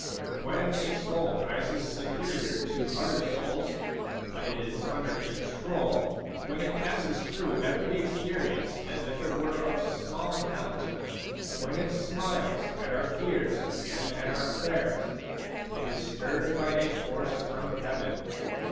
When a soul rises superior to other souls, when it is under control, when it passes through every experience as if it were of small account, when it smiles at our fears and at our prayers, it is stirred by a force from heaven.